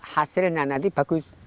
hasilnya nanti bagus